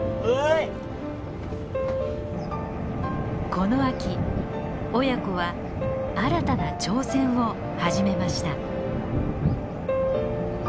この秋親子は新たな挑戦を始めました。